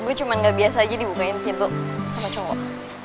gue cuma gak biasa aja dibukain pintu sama cowok